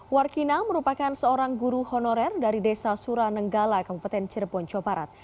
warkina merupakan seorang guru honorer dari desa suranenggala keputin cirebon coparat